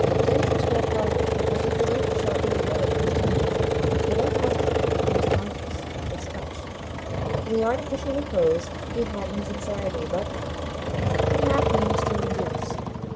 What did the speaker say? Densher's more private and particular shabby realities turned, without comfort, he was conscious, at this touch, in the artificial repose he had in his anxiety about them but half managed to induce.